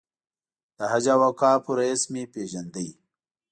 د حج او اوقافو رییس مې پېژندل.